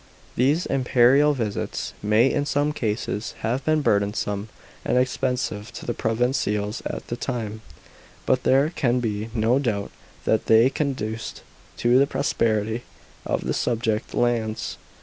These imperial visits may in some cases have been burdensome and expensive to the provincials at the time, but there can be no doubt that they conduced to the prosperity of the subject lands.